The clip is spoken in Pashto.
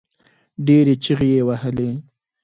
ډېرې چيغې يې وهلې.